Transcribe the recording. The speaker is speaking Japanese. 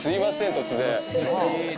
突然。